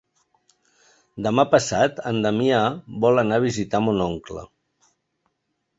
Demà passat en Damià vol anar a visitar mon oncle.